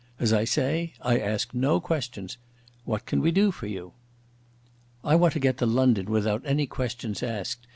As I say, I ask no questions. What can we do for you?" "I want to get to London without any questions asked.